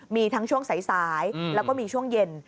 มีทั้งช่วงสายแล้วก็มีช่วงเย็น